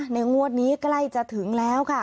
งวดนี้ใกล้จะถึงแล้วค่ะ